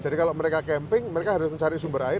jadi kalau mereka camping mereka harus mencari sumber air